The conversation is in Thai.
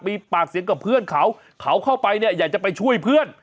มีปากเสียงกับเพื่อนเขาเขาเข้าไปเนี่ยอยากจะไปช่วยเพื่อน